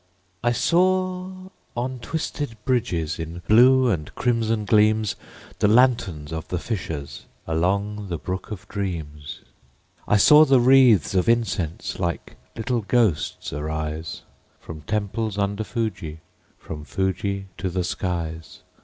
I saw, on twisted bridges, In blue and crimson gleams, The lanterns of the fishers, Along the brook of dreams. I saw the wreathes of incense Like little ghosts arise, From temples under Fuji, From Fuji to the skies.